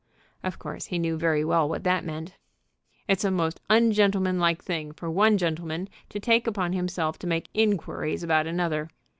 Of course he knew very well what that meant. "It's a most ungentlemanlike thing for one gentleman to take upon himself to make inquiries about another.